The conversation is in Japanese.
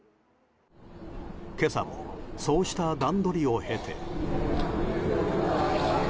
今朝もそうした段取りを経て。